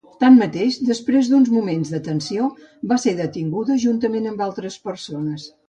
Tanmateix, després d’uns moments de tensió, va ser detinguda juntament amb altres persones.